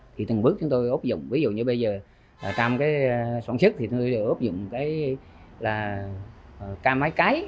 thì từng bước chúng tôi ốp dụng ví dụ như bây giờ trong sản xuất chúng tôi ốp dụng cam máy cái